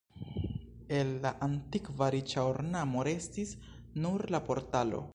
El la antikva riĉa ornamo restis nur la portalo.